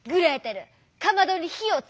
かまどにひをつけな！